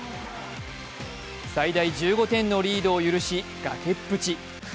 最大１５点のリードを許し崖っぷち。